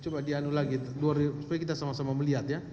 biar kita sama sama melihat ya